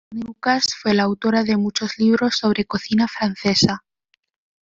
Dione Lucas fue la autora de muchos libros sobre cocina francesa.